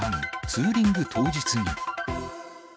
ツーリング当日に。